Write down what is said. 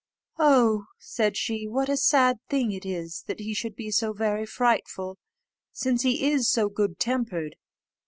"Oh!" said she, "what a sad thing it is that he should be so very frightful, since he is so good tempered!"